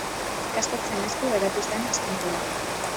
Ikastetxeen esku geratu zen azken proba.